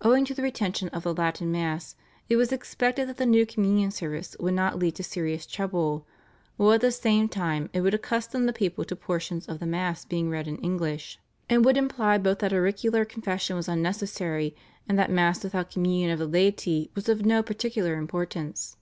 Owing to the retention of the Latin Mass it was expected that the new Communion service would not lead to serious trouble, while at the same time it would accustom the people to portions of the Mass being read in English, and would imply both that auricular confession was unnecessary and that Mass without Communion of the laity was of no particular importance.